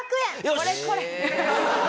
これこれ！